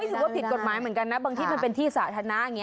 รู้สึกว่าผิดกฎหมายเหมือนกันนะบางที่มันเป็นที่สาธารณะอย่างนี้